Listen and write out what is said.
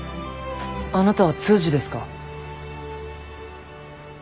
あなたは通詞ですか？